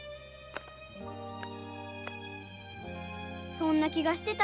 そんな気がしてた。